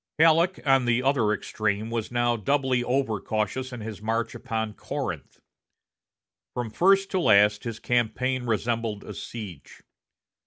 Halleck, on the other extreme, was now doubly over cautious in his march upon Corinth. From first to last, his campaign resembled a siege.